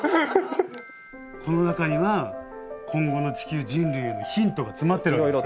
この中には今後の地球人類へのヒントが詰まっているわけですから。